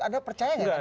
anda percaya kan